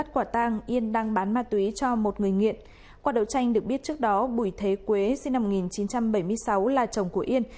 qua đầu tranh được biết trước đó bùi thế quế sinh năm một nghìn chín trăm bảy mươi sáu là chồng của yên